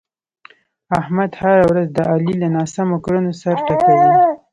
احمد هره ورځ د علي له ناسمو کړنو سر ټکوي.